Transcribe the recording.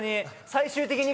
最終的に。